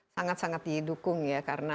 sangat sangat didukung ya karena